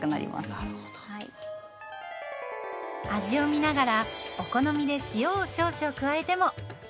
味を見ながらお好みで塩を少々加えても。